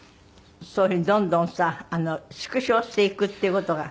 そういうふうにどんどんさ縮小していくっていう事が。